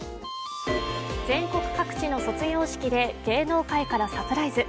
全国各地の卒業式で芸能界からサプライズ。